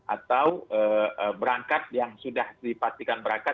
atau berangkat yang sudah dipastikan berangkat